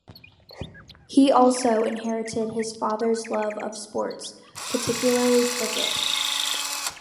He also inherited his father's love of sports, particularly cricket.